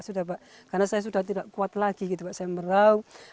sudah pak karena saya sudah tidak kuat lagi gitu pak saya merau